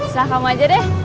silah kamu aja deh